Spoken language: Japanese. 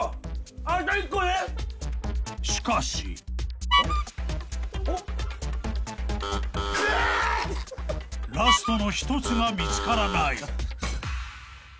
［しかし］［ラストの一つが見つからない］